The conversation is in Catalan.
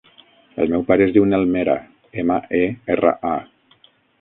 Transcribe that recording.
El meu pare es diu Nel Mera: ema, e, erra, a.